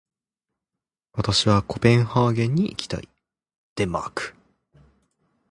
私はコペンハーゲンに行きたい。